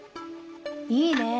いいね。